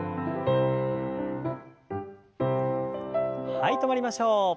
はい止まりましょう。